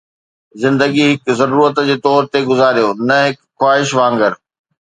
زندگي هڪ ضرورت جي طور تي گذاريو، نه هڪ خواهش وانگر